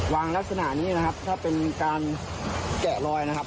ลักษณะนี้นะครับถ้าเป็นการแกะลอยนะครับ